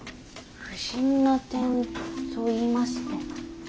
不審な点といいますと。